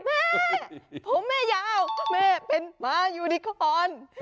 แม่ผมแม่ยาวแม่เป็นมายูนิคอน